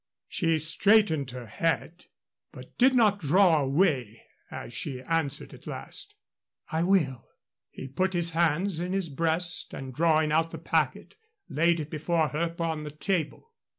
She straightened her head, but did not draw away as she answered, at last: "I will." He put his hands in his breast, and, drawing out the packet, laid it before her upon the table.